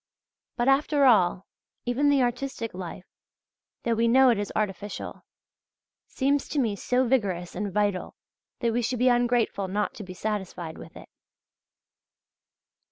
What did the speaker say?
But, after all, even the artistic life, though we know it is artificial, seems to me so vigorous and vital, that we should be ungrateful not to be satisfied with it.